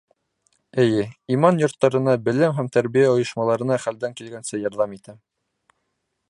— Эйе, иман йорттарына, белем һәм тәрбиә ойошмаларына хәлдән килгәнсә ярҙам итәм.